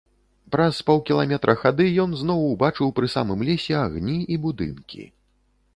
Праз паўкіламетра хады ён зноў убачыў пры самым лесе агні і будынкі.